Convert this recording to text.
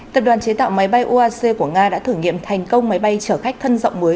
tập đoàn chế tạo máy bay uac của nga đã thử nghiệm thành công máy bay chở khách thân rộng mới